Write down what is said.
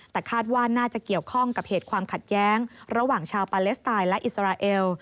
แต่คาดว่าน่าจะเกี่ยวข้องกับเหตุความขัดแย้งระหว่างชาวปาเลสไตน์และอิสราเอล